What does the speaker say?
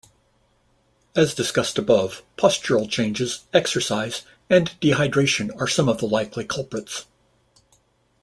As discussed above, postural changes, exercise, and dehydration are some of the likely culprits.